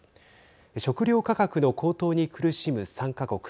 食料価格の高騰に苦しむ参加国。